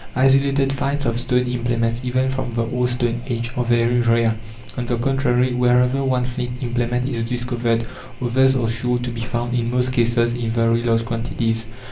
Isolated finds of stone implements, even from the old stone age, are very rare; on the contrary, wherever one flint implement is discovered others are sure to be found, in most cases in very large quantities.